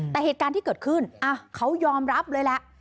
แต่เหตุการณ์ที่เกิดขึ้นเขายอมรับเลยแหละ